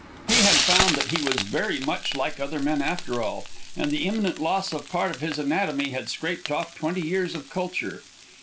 He had found that he was very much like other men after all, and the imminent loss of part of his anatomy had scraped off twenty years of culture.